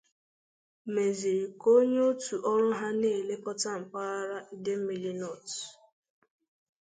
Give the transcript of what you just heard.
mezịrị ka onye òtù ọrụ ha na-elekọta mpaghara Idemili North